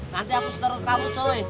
nanti aku setor ke kamu cuy